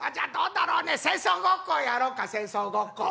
戦争ごっこやろうか戦争ごっこ」。